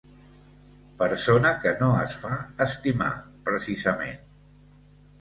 Persona que no es fa estimar, precisament.